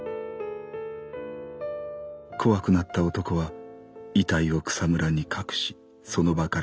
怖くなった男は遺体を草むらに隠しその場から逃げた」。